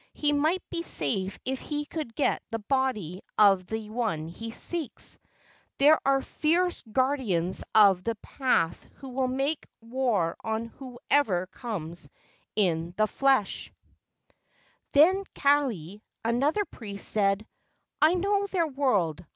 He might be safe if he could get the body of the one he seeks. There are fierce guardians of the path who will make war on whoever comes in the flesh." 210 LEGENDS OF GHOSTS Then Kalei, another priest, said: "I know their world.